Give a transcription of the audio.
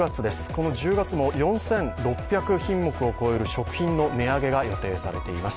この１０月も４６００品目を超える食品の値上げが予定されています。